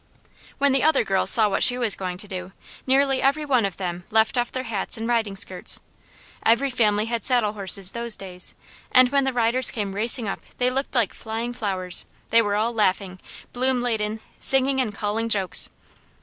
When the other girls saw what she was going to do, nearly every one of them left off their hats and riding skirts. Every family had saddle horses those days, and when the riders came racing up they looked like flying flowers, they were all laughing, bloom ladened, singing and calling jokes.